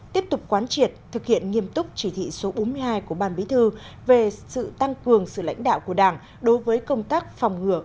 tiếp tục quán triệt thực hiện nghiêm túc chỉ thị số bốn mươi hai của ban bí thư về sự tăng cường sự lãnh đạo của đảng đối với công tác phòng ngừa